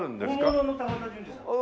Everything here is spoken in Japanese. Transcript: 本物の高田純次さん？